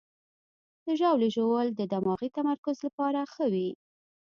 د ژاولې ژوول د دماغي تمرکز لپاره ښه وي.